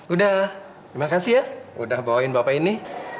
udah terima kasih ya udah bawain bapak ini